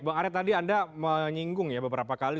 mbak arief tadi anda menyinggung ya beberapa kali